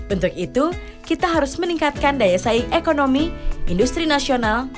untuk itu kita harus meningkatkan daya saing ekonomi industri nasional